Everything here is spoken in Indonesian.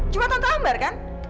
cuma tante ambar kan